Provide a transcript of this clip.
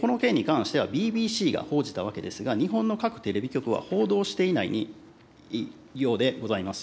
この件に関してはＢＢＣが報じたわけですが、日本の各テレビ局は報道していないようでございます。